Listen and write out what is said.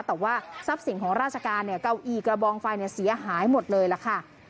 แต่ว่าทรัพย์สินของราชการเนี่ยเก้าอี้กระบองไฟเสียหายหมดเลยล่ะค่ะ